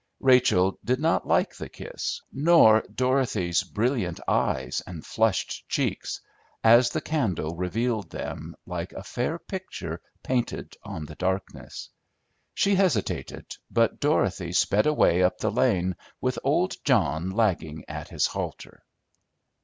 Rachel did not like the kiss, nor Dorothy's brilliant eyes and flushed cheeks, as the candle revealed them like a fair picture painted on the darkness. She hesitated, but Dorothy sped away up the lane with old John lagging at his halter.